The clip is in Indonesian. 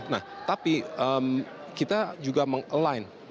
nah tapi kita juga meng align